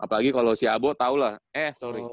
apalagi kalo si abo tau lah eh sorry